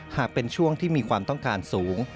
หากเป็นช่วงที่มีความต้องการสูง